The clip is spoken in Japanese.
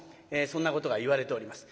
そんなことがいわれております。